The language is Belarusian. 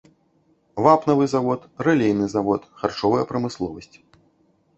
Вапнавы завод, рэлейны завод, харчовая прамысловасць.